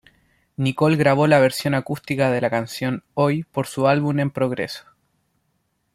Nicole grabó la versión acústica de la canción "Hoy" por su álbum en progreso.